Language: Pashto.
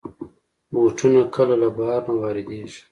بوټونه کله له بهر نه واردېږي.